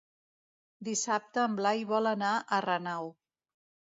Dissabte en Blai vol anar a Renau.